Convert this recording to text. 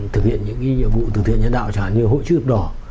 thực hiện những nhiệm vụ thực hiện nhân đạo chẳng hạn như hội chức hợp đỏ